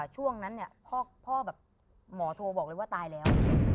ช่วงด้านนั้นหมอโทรบอกว่าตายแล้ว